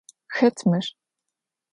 Xet mır?